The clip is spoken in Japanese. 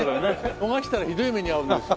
逃したらひどい目に遭うんですよ。